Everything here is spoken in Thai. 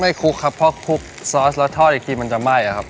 คลุกครับเพราะคลุกซอสแล้วทอดอีกทีมันจะไหม้อะครับ